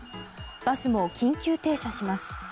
バスも緊急停車します。